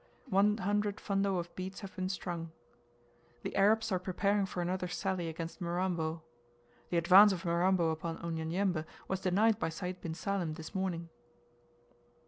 One hundred fundo of beads have been strung. The Arabs are preparing for another sally against Mirambo. The advance of Mirambo upon Unyanyembe was denied by Sayd bin Salim, this morning.